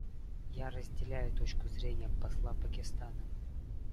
Я разделяю точку зрения посла Пакистана.